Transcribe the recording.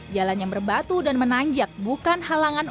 jalan yang berbatu dan menanjak bukan halangan